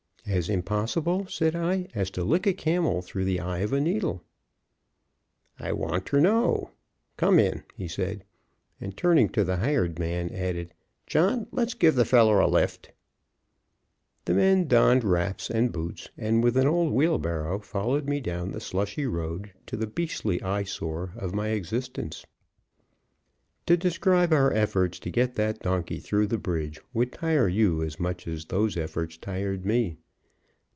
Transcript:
"As impossible," said I, "as to lick a camel through the eye of a needle." "I want ter know. Come in," he said; and turning to the hired man, added, "John, let's give th' feller a lift." The men donned wraps and boots, and, with an old wheelbarrow, followed me down the slushy road to the beastly eye sore of my existence. To describe our efforts to get that donkey through the bridge would tire you as much as those efforts tired me.